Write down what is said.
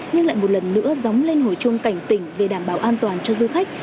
nhưng lại một lần nữa dóng lên hồi chuông cảnh tỉnh về đảm bảo an toàn cho du khách